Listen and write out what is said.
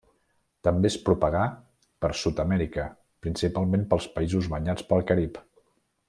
També es propagà per Sud-amèrica, principalment pels països banyats per Carib.